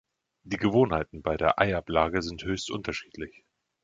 Die Gewohnheiten bei der Eiablage sind höchst unterschiedlich.